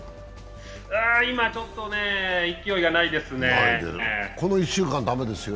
今ちょっとね、勢いがないですね。